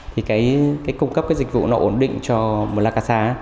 thì cung cấp cái dịch vụ nó ổn định cho plakasa